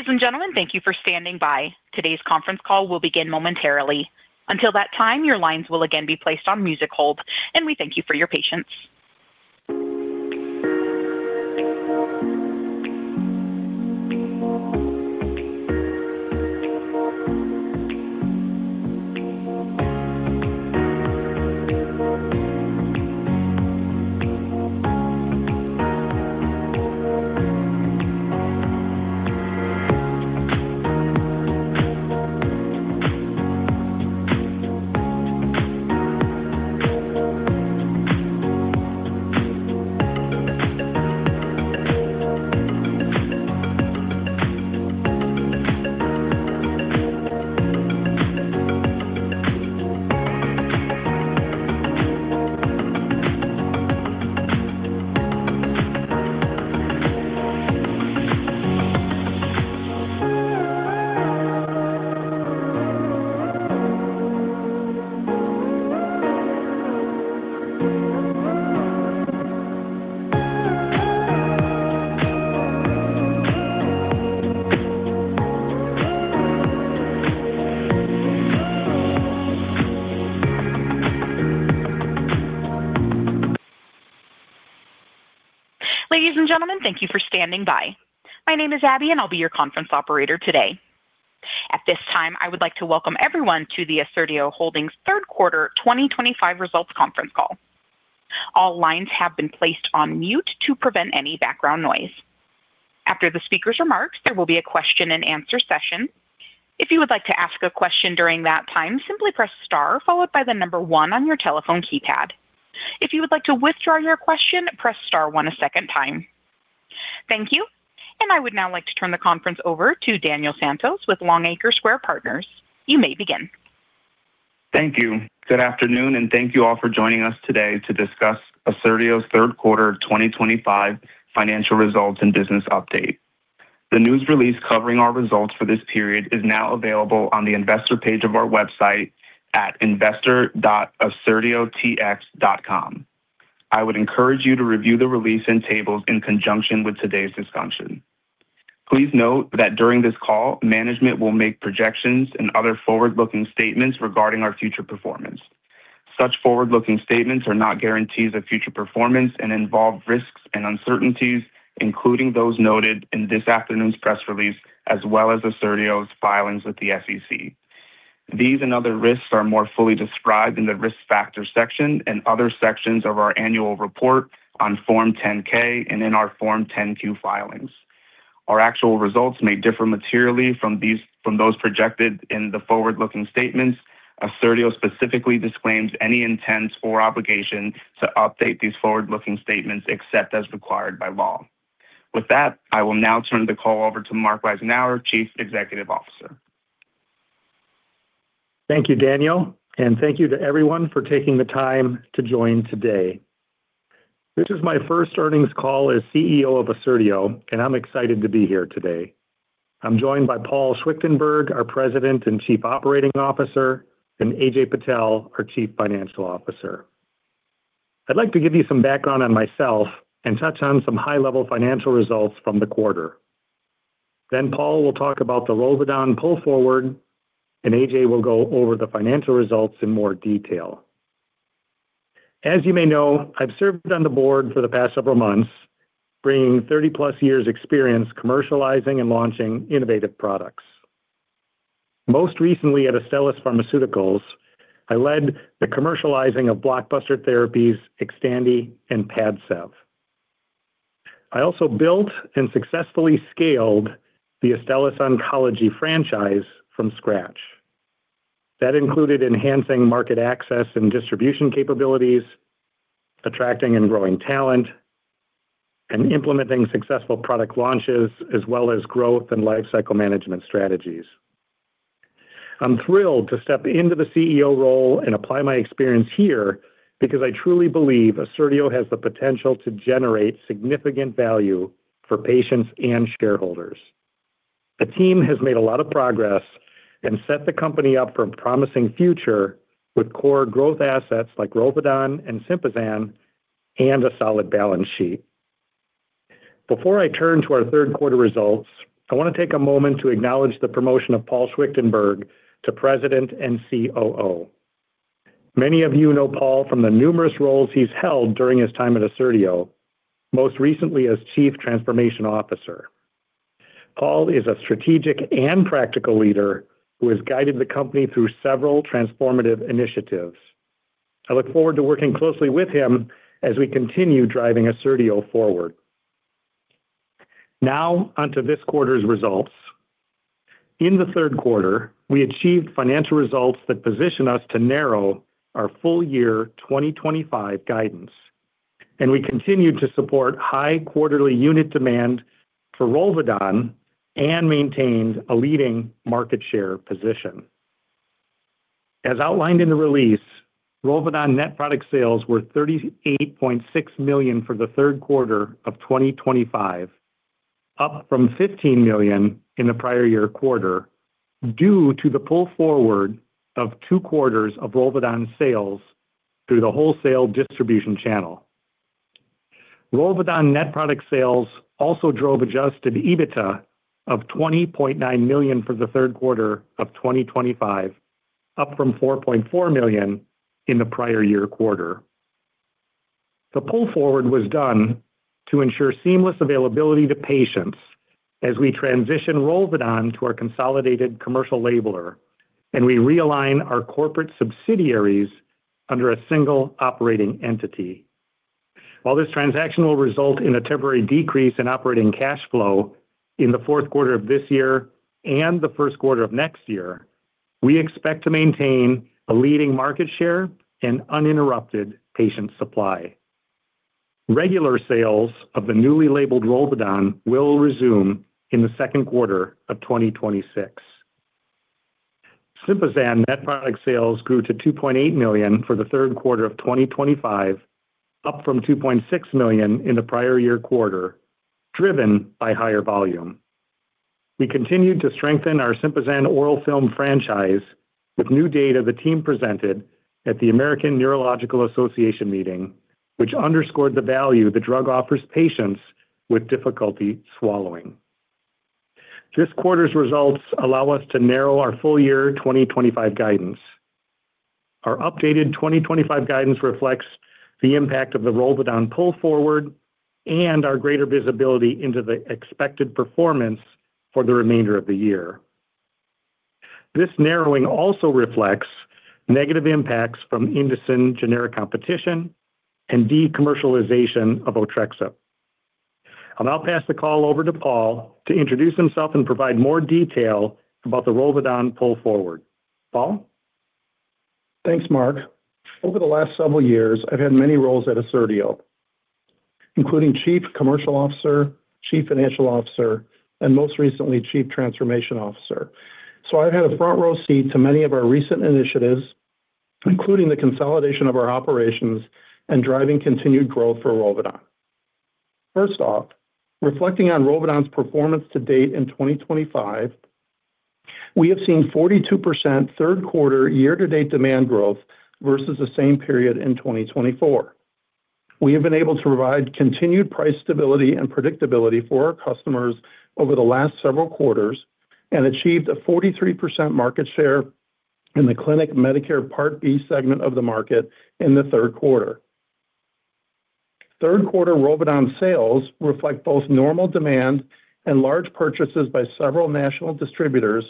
Ladies and gentlemen, thank you for standing by. Today's conference call will begin momentarily. Until that time, your lines will again be placed on music hold, and we thank you for your patience. Ladies and gentlemen, thank you for standing by. My name is Abby, and I'll be your conference operator today. At this time, I would like to welcome everyone to the Assertio Holdings third quarter 2025 results conference call. All lines have been placed on mute to prevent any background noise. After the speaker's remarks, there will be a question-and-answer session. If you would like to ask a question during that time, simply press star followed by the number one on your telephone keypad. If you would like to withdraw your question, press star one a second time. Thank you, and I would now like to turn the conference over to Daniel Santos with Longacre Square Partners. You may begin. Thank you. Good afternoon, and thank you all for joining us today to discuss Assertio's third quarter 2025 financial results and business update. The news release covering our results for this period is now available on the investor page of our website at investor.assertiotx.com. I would encourage you to review the release and tables in conjunction with today's discussion. Please note that during this call, management will make projections and other forward-looking statements regarding our future performance. Such forward-looking statements are not guarantees of future performance and involve risks and uncertainties, including those noted in this afternoon's press release as well as Assertio's filings with the SEC. These and other risks are more fully described in the risk factor section and other sections of our annual report on Form 10-K and in our Form 10-Q filings. Our actual results may differ materially from those projected in the forward-looking statements. Assertio specifically disclaims any intent or obligation to update these forward-looking statements except as required by law. With that, I will now turn the call ocver to Mark Reisenauer, Chief Executive Officer. Thank you, Daniel, and thank you to everyone for taking the time to join today. This is my first earnings call as CEO of Assertio, and I'm excited to be here today. I'm joined by Paul Schwichtenberg, our President and Chief Operating Officer, and Ajay Patel, our Chief Financial Officer. I'd like to give you some background on myself and touch on some high-level financial results from the quarter. Paul will talk about the Rosedown pull forward, and Ajay will go over the financial results in more detail. As you may know, I've served on the board for the past several months, bringing 30+ years' experience commercializing and launching innovative products. Most recently, at Astellas Pharmaceuticals, I led the commercializing of blockbuster therapies Xtandi and PADCEV. I also built and successfully scaled the Astellas Oncology franchise from scratch. That included enhancing market access and distribution capabilities, attracting and growing talent, and implementing successful product launches as well as growth and lifecycle management strategies. I'm thrilled to step into the CEO role and apply my experience here because I truly believe Assertio has the potential to generate significant value for patients and shareholders. The team has made a lot of progress and set the company up for a promising future with core growth assets like Rosedown and Synthesan and a solid balance sheet. Before I turn to our third quarter results, I want to take a moment to acknowledge the promotion of Paul Schwichtenberg to President and COO. Many of you know Paul from the numerous roles he's held during his time at Assertio, most recently as Chief Transformation Officer. Paul is a strategic and practical leader who has guided the company through several transformative initiatives. I look forward to working closely with him as we continue driving Assertio forward. Now, onto this quarter's results. In the third quarter, we achieved financial results that position us to narrow our full year 2025 guidance, and we continued to support high quarterly unit demand for Rosedown and maintained a leading market share position. As outlined in the release, Rosedown net product sales were $38.6 million for the third quarter of 2025, up from $15 million in the prior year quarter due to the pull forward of two quarters of Rosedown sales through the wholesale distribution channel. Rosedown net product sales also drove adjusted EBITDA of $20.9 million for the third quarter of 2025, up from $4.4 million in the prior year quarter. The pull forward was done to ensure seamless availability to patients as we transition Rosedown to our consolidated commercial labeler, and we realign our corporate subsidiaries under a single operating entity. While this transaction will result in a temporary decrease in operating cash flow in the fourth quarter of this year and the first quarter of next year, we expect to maintain a leading market share and uninterrupted patient supply. Regular sales of the newly labeled Rosedown will resume in the second quarter of 2026. Synthesan net product sales grew to $2.8 million for the third quarter of 2025, up from $2.6 million in the prior year quarter, driven by higher volume. We continued to strengthen our Synthesan oral film franchise with new data the team presented at the American Neurological Association meeting, which underscored the value the drug offers patients with difficulty swallowing. This quarter's results allow us to narrow our full year 2025 guidance. Our updated 2025 guidance reflects the impact of the Rosedown pull forward and our greater visibility into the expected performance for the remainder of the year. This narrowing also reflects negative impacts from Indocin generic competition and decommercialization of Otrexup. I'll now pass the call over to Paul to introduce himself and provide more detail about the Rosedown pull forward. Paul? Thanks, Mark. Over the last several years, I've had many roles at Assertio, including Chief Commercial Officer, Chief Financial Officer, and most recently, Chief Transformation Officer. So I've had a front-row seat to many of our recent initiatives, including the consolidation of our operations and driving continued growth for Rosedown. First off, reflecting on Rosedown's performance to date in 2025, we have seen 42% third quarter year-to-date demand growth versus the same period in 2024. We have been able to provide continued price stability and predictability for our customers over the last several quarters and achieved a 43% market share in the clinic Medicare Part B segment of the market in the third quarter. Third quarter Rosedown sales reflect both normal demand and large purchases by several national distributors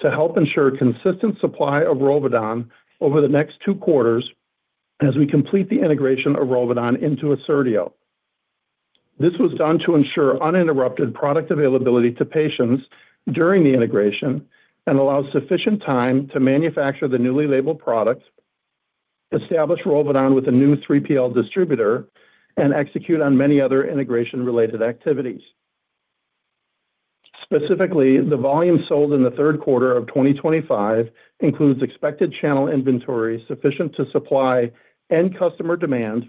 to help ensure consistent supply of Rosedown over the next two quarters as we complete the integration of Rosedown into Assertio. This was done to ensure uninterrupted product availability to patients during the integration and allow sufficient time to manufacture the newly labeled product, establish Rosedown with a new 3PL distributor, and execute on many other integration-related activities. Specifically, the volume sold in the third quarter of 2025 includes expected channel inventory sufficient to supply end customer demand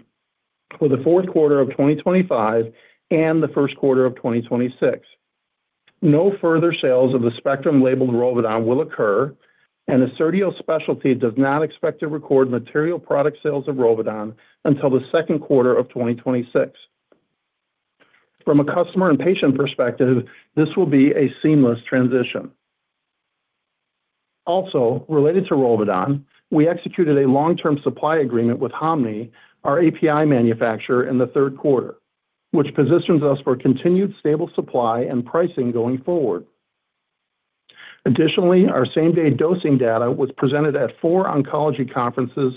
for the fourth quarter of 2025 and the first quarter of 2026. No further sales of the Spectrum-labeled Rosedown will occur, and Assertio Specialty does not expect to record material product sales of Rosedown until the second quarter of 2026. From a customer and patient perspective, this will be a seamless transition. Also, related to Rosedown, we executed a long-term supply agreement with Homni, our API manufacturer, in the third quarter, which positions us for continued stable supply and pricing going forward. Additionally, our same-day dosing data was presented at four oncology conferences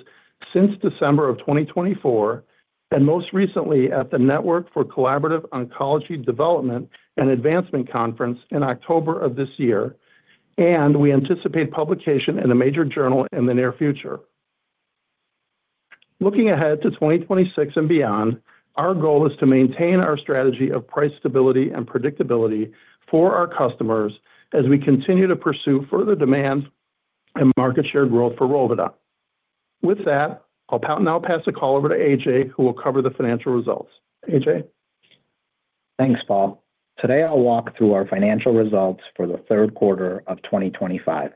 since December of 2024, and most recently at the Network for Collaborative Oncology Development and Advancement Conference in October of this year, and we anticipate publication in a major journal in the near future. Looking ahead to 2026 and beyond, our goal is to maintain our strategy of price stability and predictability for our customers as we continue to pursue further demand and market share growth for Rosedown. With that, I'll now pass the call over to Ajay, who will cover the financial results. Ajay? Thanks, Paul. Today, I'll walk through our financial results for the third quarter of 2025.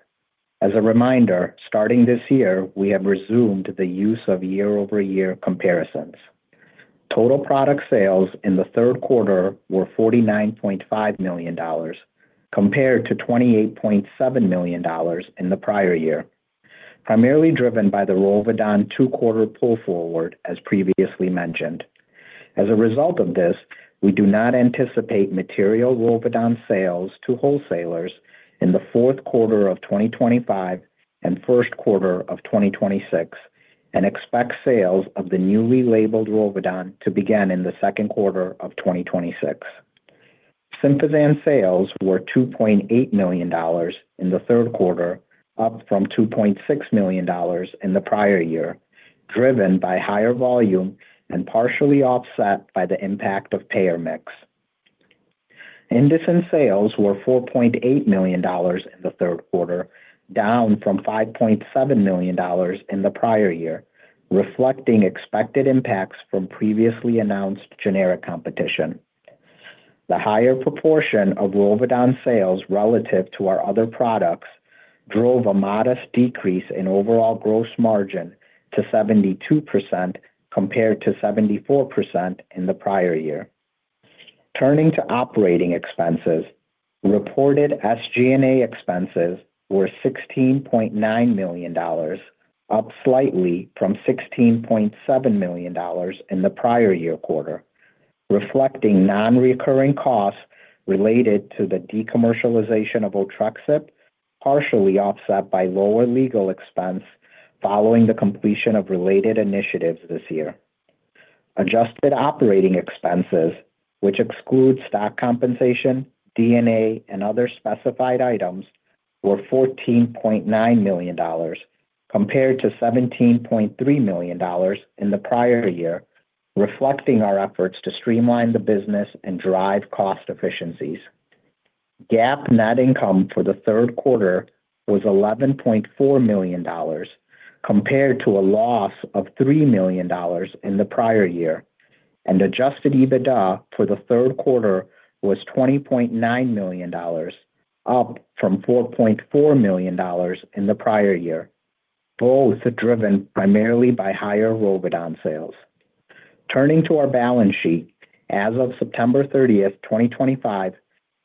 As a reminder, starting this year, we have resumed the use of year-over-year comparisons. Total product sales in the third quarter were $49.5 million compared to $28.7 million in the prior year, primarily driven by the Rosedown two-quarter pull forward, as previously mentioned. As a result of this, we do not anticipate material Rosedown sales to wholesalers in the fourth quarter of 2025 and first quarter of 2026, and expect sales of the newly labeled Rosedown to begin in the second quarter of 2026. Synthesan sales were $2.8 million in the third quarter, up from $2.6 million in the prior year, driven by higher volume and partially offset by the impact of payer mix. Indocin sales were $4.8 million in the third quarter, down from $5.7 million in the prior year, reflecting expected impacts from previously announced generic competition. The higher proportion of Rosedown sales relative to our other products drove a modest decrease in overall gross margin to 72% compared to 74% in the prior year. Turning to operating expenses, reported SG&A expenses were $16.9 million, up slightly from $16.7 million in the prior year quarter, reflecting non-recurring costs related to the decommercialization of Otrexup, partially offset by lower legal expense following the completion of related initiatives this year. Adjusted operating expenses, which exclude stock compensation, DNA, and other specified items, were $14.9 million compared to $17.3 million in the prior year, reflecting our efforts to streamline the business and drive cost efficiencies. GAAP net income for the third quarter was $11.4 million compared to a loss of $3 million in the prior year, and adjusted EBITDA for the third quarter was $20.9 million, up from $4.4 million in the prior year, both driven primarily by higher Rosedown sales. Turning to our balance sheet, as of September 30th, 2025,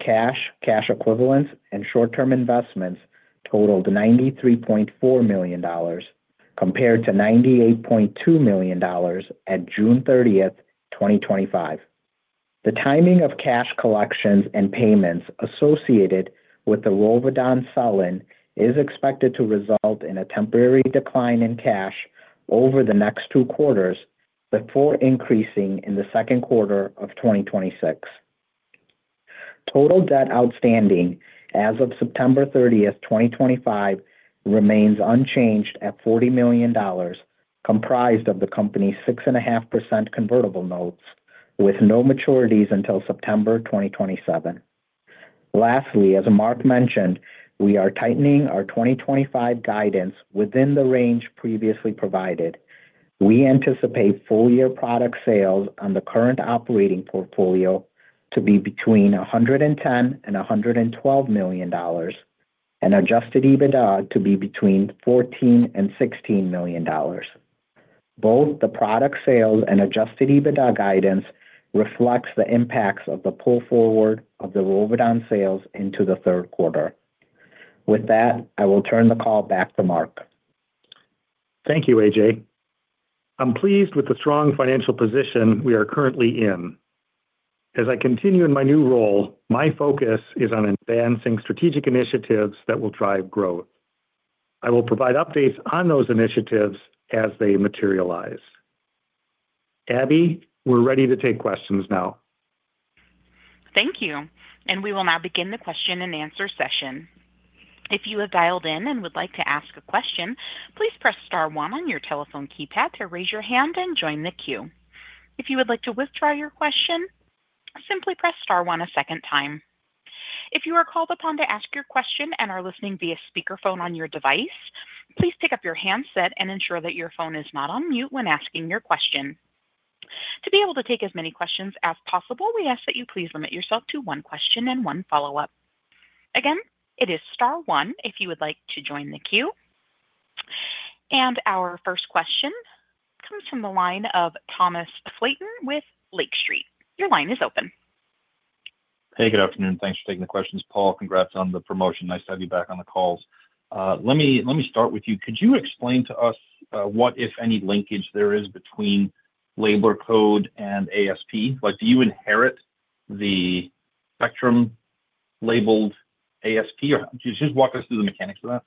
cash, cash equivalents, and short-term investments totaled $93.4 million compared to $98.2 million at June 30th, 2025. The timing of cash collections and payments associated with the Rosedown selling is expected to result in a temporary decline in cash over the next two quarters before increasing in the second quarter of 2026. Total debt outstanding as of September 30, 2025, remains unchanged at $40 million, comprised of the company's 6.5% convertible notes, with no maturities until September 2027. Lastly, as Mark mentioned, we are tightening our 2025 guidance within the range previously provided. We anticipate full year product sales on the current operating portfolio to be between $110 million and $112 million and adjusted EBITDA to be between $14 million and $16 million. Both the product sales and adjusted EBITDA guidance reflect the impacts of the pull forward of the Rosedown sales into the third quarter. With that, I will turn the call back to Mark. Thank you, Ajay. I'm pleased with the strong financial position we are currently in. As I continue in my new role, my focus is on advancing strategic initiatives that will drive growth. I will provide updates on those initiatives as they materialize. Abby, we're ready to take questions now. Thank you. We will now begin the question-and-answer session. If you have dialed in and would like to ask a question, please press star one on your telephone keypad to raise your hand and join the queue. If you would like to withdraw your question, simply press star one a second time. If you are called upon to ask your question and are listening via speakerphone on your device, please pick up your handset and ensure that your phone is not on mute when asking your question. To be able to take as many questions as possible, we ask that you please limit yourself to one question and one follow-up. Again, it is star one if you would like to join the queue. Our first question comes from the line of Thomas Flaten with Lake Street. Your line is open. Hey, good afternoon. Thanks for taking the questions, Paul. Congrats on the promotion. Nice to have you back on the calls. Let me start with you. Could you explain to us what, if any, linkage there is between labeler code and ASP? Do you inherit the Spectrum-labeled ASP? Just walk us through the mechanics of that.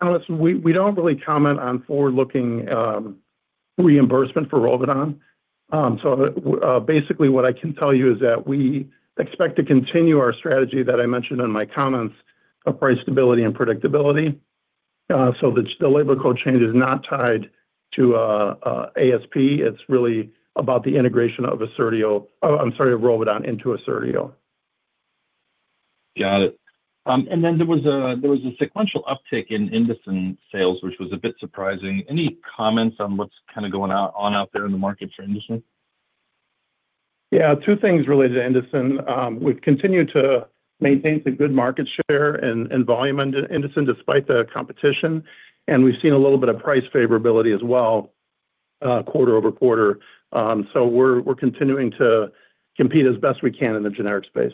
Thomas, we don't really comment on forward-looking reimbursement for Rosedown. Basically, what I can tell you is that we expect to continue our strategy that I mentioned in my comments of price stability and predictability. The labeler code change is not tied to ASP. It's really about the integration of Rosedown into Assertio. Got it. There was a sequential uptick in Indocin sales, which was a bit surprising. Any comments on what's kind of going on out there in the market for Indocin? Yeah, two things related to Indocin. We've continued to maintain some good market share and volume in Indocin despite the competition. We've seen a little bit of price favorability as well, quarter-over-quarter. We're continuing to compete as best we can in the generic space.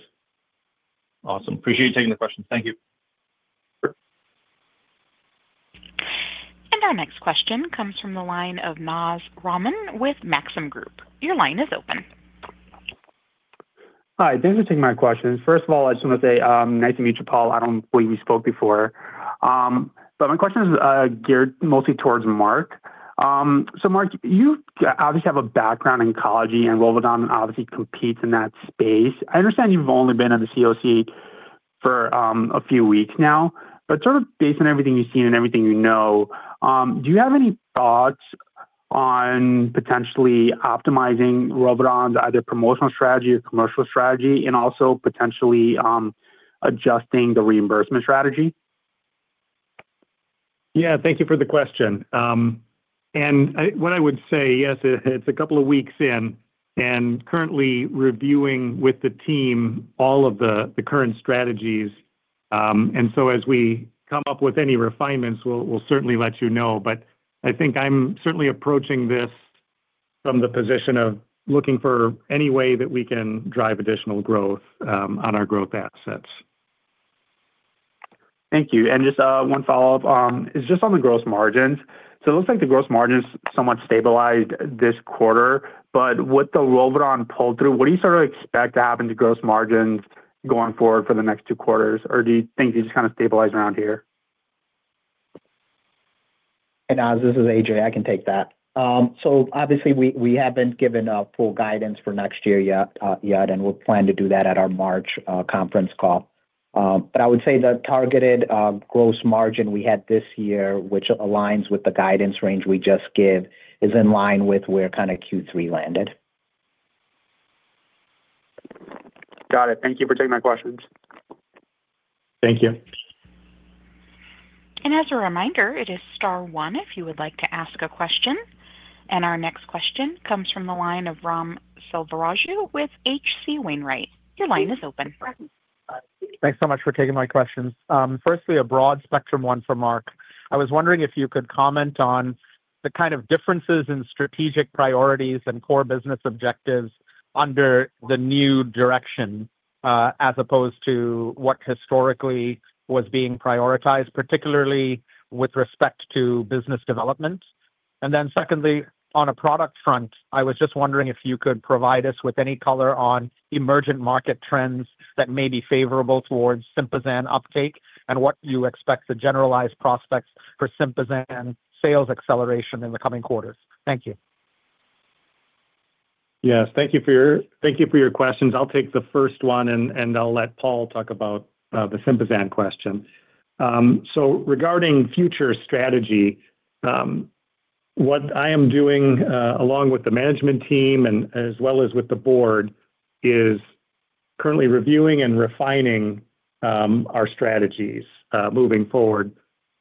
Awesome. Appreciate you taking the questions. Thank you. Our next question comes from the line of Naz Rahman with Maxim Group. Your line is open. Hi. Thanks for taking my question. First of all, I just want to say nice to meet you, Paul. I don't think we spoke before. My question is geared mostly towards Mark. Mark, you obviously have a background in oncology, and Rosedown obviously competes in that space. I understand you've only been at the CEOC for a few weeks now. Based on everything you've seen and everything you know, do you have any thoughts on potentially optimizing Rosedown's either promotional strategy or commercial strategy, and also potentially adjusting the reimbursement strategy? Yeah, thank you for the question. What I would say, yes, it's a couple of weeks in, and currently reviewing with the team all of the current strategies. As we come up with any refinements, we'll certainly let you know. I think I'm certainly approaching this from the position of looking for any way that we can drive additional growth on our growth assets. Thank you. And just one follow-up. It's just on the gross margins. So it looks like the gross margins somewhat stabilized this quarter. But with the Rosedown pull-through, what do you sort of expect to happen to gross margins going forward for the next two quarters? Or do you think they just kind of stabilize around here? Hey, Naz, this is Ajay. I can take that. Obviously, we haven't given full guidance for next year yet, and we'll plan to do that at our March conference call. I would say the targeted gross margin we had this year, which aligns with the guidance range we just gave, is in line with where kind of Q3 landed. Got it. Thank you for taking my questions. Thank you. As a reminder, it is star one if you would like to ask a question. Our next question comes from the line of Ram Selvaraju with H.C. Wainwright. Your line is open. Thanks so much for taking my questions. Firstly, a broad spectrum one for Mark. I was wondering if you could comment on the kind of differences in strategic priorities and core business objectives under the new direction, as opposed to what historically was being prioritized, particularly with respect to business development. Secondly, on a product front, I was just wondering if you could provide us with any color on emergent market trends that may be favorable towards Synthesan uptake, and what you expect the generalized prospects for Synthesan sales acceleration in the coming quarters. Thank you. Yes, thank you for your questions. I'll take the first one, and I'll let Paul talk about the Synthesan question. Regarding future strategy, what I am doing, along with the management team and as well as with the board, is currently reviewing and refining our strategies moving forward.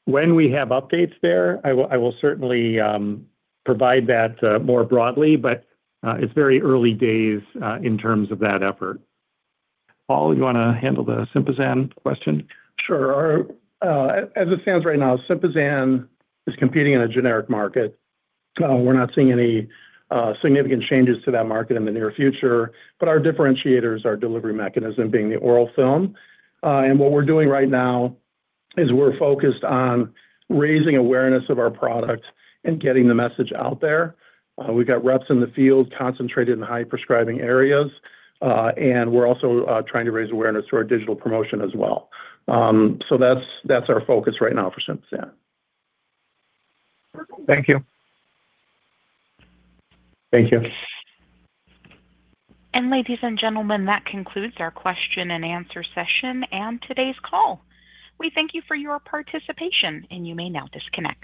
When we have updates there, I will certainly provide that more broadly, but it's very early days in terms of that effort. Paul, you want to handle the Synthesan question? Sure. As it stands right now, Synthesan is competing in a generic market. We're not seeing any significant changes to that market in the near future. Our differentiators are delivery mechanism being the oral film. What we're doing right now is we're focused on raising awareness of our product and getting the message out there. We've got reps in the field concentrated in high prescribing areas, and we're also trying to raise awareness through our digital promotion as well. That's our focus right now for Synthesan. Thank you. Thank you. Ladies and gentlemen, that concludes our question-and-answer session and today's call. We thank you for your participation, and you may now disconnect.